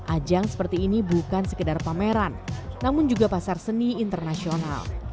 ajang seperti ini bukan sekedar pameran namun juga pasar seni internasional